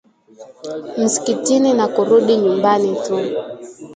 msikitini na kurudi nyumbani tu